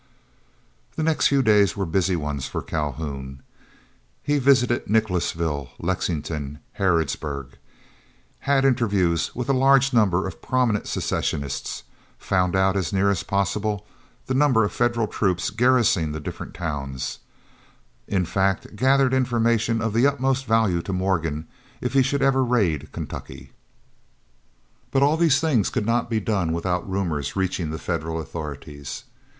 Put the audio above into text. The next few days were busy ones for Calhoun. He visited Nicholasville, Lexington, Harrodsburg; had interviews with a large number of prominent Secessionists; found out, as near as possible, the number of Federal troops garrisoning the different towns; in fact, gathered information of the utmost value to Morgan if he should ever raid Kentucky. But all these things could not be done without rumors reaching the Federal authorities.